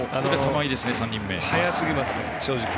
早すぎますね、正直。